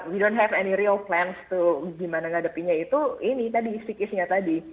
we don't have any real plans to gimana menghadapinya itu ini tadi sikisnya tadi